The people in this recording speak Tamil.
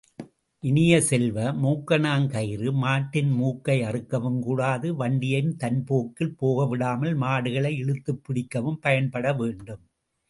இனிய செல்வ, மூக்கணாங்கயிறு, மாட்டின் மூக்கை அறுக்கவும் கூடாது வண்டியையும் தன்போக்கில் போகவிடாமல் மாடுகளை இழுத்துப் பிடிக்கவும் பயன்படவேண்டும்.